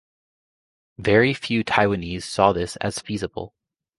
Very few Taiwanese saw this as feasible.